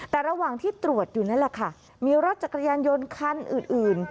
แต่ระหว่างที่ตรวจอยู่นั่นแหละค่ะมีรถจักรยานยนต์คันอื่น